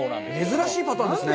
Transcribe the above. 珍しいパターンですね。